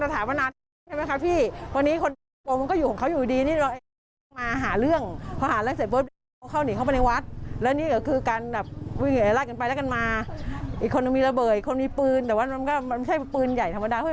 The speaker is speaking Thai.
แต่ว่ามันก็มันไม่ใช่เป็นพื้นใหญ่ธรรมดา